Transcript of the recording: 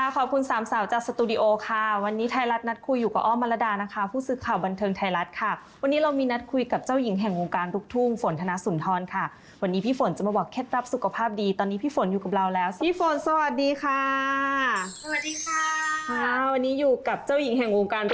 ขอบคุณสามสาวจากสตูดิโอค่ะวันนี้ไทยรัฐนัดคุยอยู่กับอ้อมมารดานะคะผู้สื่อข่าวบันเทิงไทยรัฐค่ะวันนี้เรามีนัดคุยกับเจ้าหญิงแห่งวงการลูกทุ่งฝนธนสุนทรค่ะวันนี้พี่ฝนจะมาบอกเคล็ดลับสุขภาพดีตอนนี้พี่ฝนอยู่กับเราแล้วพี่ฝนสวัสดีค่ะสวัสดีค่ะ